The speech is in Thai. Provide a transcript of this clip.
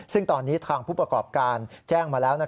ซึ่งตอนนี้ทางผู้ประกอบการแจ้งมาแล้ว